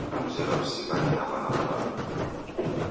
Namzera usighane na w'ana wa w'andu